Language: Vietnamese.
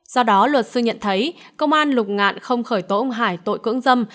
do đó luật sư nhận thấy công an lục ngạn không khởi tố ông hải tội cưỡng dâm